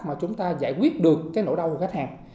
mà chúng ta giải quyết được cái nỗi đau của khách hàng